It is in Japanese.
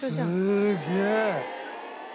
すげえ！